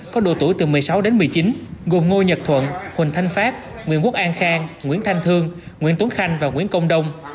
có độ tuổi từ một mươi sáu đến một mươi chín gồm ngô nhật thuận huỳnh thanh phát nguyễn quốc an khang nguyễn thanh thương nguyễn tuấn khanh và nguyễn công đông